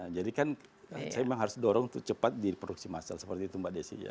jadi kan saya memang harus dorong untuk cepat di produksi masal seperti itu mbak desy